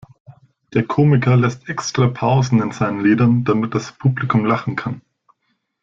Der Komiker lässt extra Pausen in seinen Liedern, damit das Publikum lachen kann.